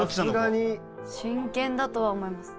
真剣だとは思います。